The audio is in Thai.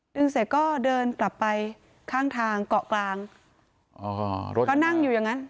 ดึงเสร็จก็เดินกลับไปข้างทางเกาะกลางอ๋อรถก็นั่งอยู่อย่างงั้น